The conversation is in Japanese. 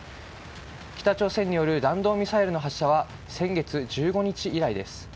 北朝鮮による弾道ミサイルの発射は先月１５日以来です。